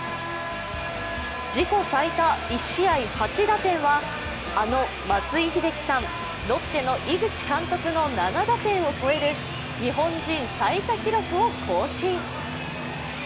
自己最多１試合８打点は、あの松井秀喜さん、ロッテの井口監督の７打点を超える日本人最多記録を更新。